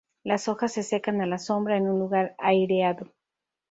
Las hojas se secan a la sombra, en un lugar aireado.